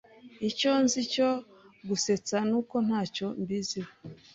Icyo nzi cyo gusetsa nuko ntacyo mbiziho.